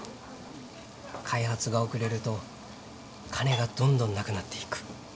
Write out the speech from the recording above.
開発が遅れると金がどんどんなくなっていく。